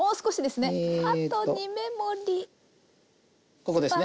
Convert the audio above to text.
ここですね。